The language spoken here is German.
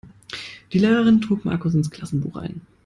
Die Lehrerin trug Markus ins Klassenbuch ein.